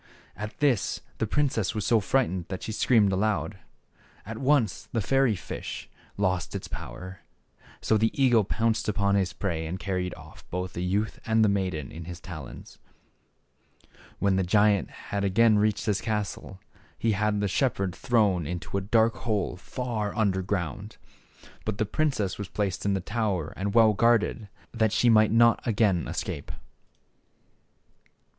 At this the princess was so frightened that she screamed aloud. At once the fairy fish lost its power. So the eagle pounced upon his prey and carried off both the youth and maiden in his talons. When the giant had again reached his castle he had the shepherd thrown into a dark hole far under ground. But the princess was placed in the tower and well guarded, that she might not again escape.